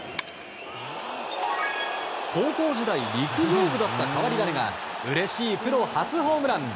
高校時代、陸上部だった変わり種がうれしいプロ初ホームラン。